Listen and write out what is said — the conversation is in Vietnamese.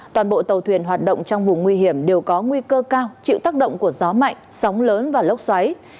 toàn bộ tàu thuyền hoạt động trong vùng nguy hiểm đều có nguy cơ cao chịu tác động của gió mạnh sóng lớn và lốc xoáy